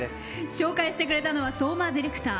紹介してくれたのは相馬ディレクター